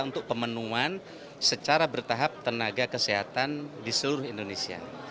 untuk pemenuhan secara bertahap tenaga kesehatan di seluruh indonesia